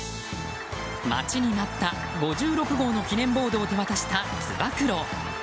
待ちに待った５６号の記念ボードを手渡したつば九郎。